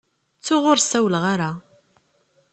Ttuɣ ur sawleɣ ara.